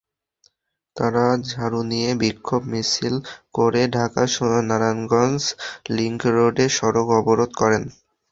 তাঁরা ঝাড়ু নিয়ে বিক্ষোভ মিছিল করে ঢাকা-নারায়ণগঞ্জ লিংকরোডে সড়ক অবরোধ করেন।